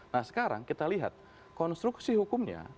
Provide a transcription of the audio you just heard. nah sekarang kita lihat konstruksi hukumnya